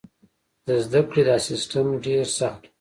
د زده کړې دا سیستم ډېر سخت و.